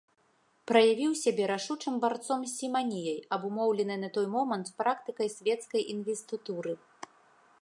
Праявіў сябе рашучым барцом з сіманіяй, абумоўленай на той момант практыкай свецкай інвестытуры.